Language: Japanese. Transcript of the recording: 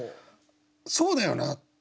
そうだよな。